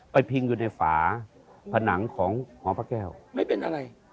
พิงอยู่ในฝาผนังของหอพระแก้วไม่เป็นอะไร